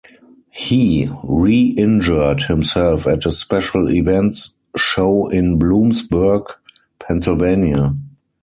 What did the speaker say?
He reinjured himself at a Special Events show in Bloomsburg, Pennsylvania.